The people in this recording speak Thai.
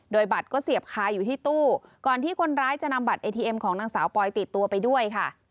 โดยบัตรก็เสียบคายอยู่ที่ตู้ก่อนที่คนร้ายจะนำบัตรเอทีเอ็มของนางสาวปอยติดตัวไปด้วยค่ะ